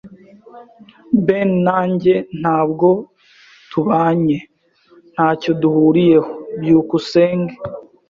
Ben na njye ntabwo tubanye. Ntacyo duhuriyeho. byukusenge